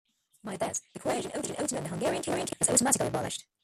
By this, the Croatian autonomy within the Hungarian kingdom was automatically abolished.